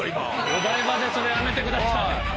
お台場でそれやめてください。